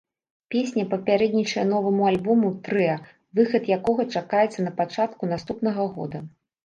Песня папярэднічае новаму альбому трыа, выхад якога чакаецца на пачатку наступнага года.